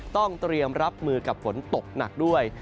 ต้องเตรียมรับมือกับฝนตกหนักด้วย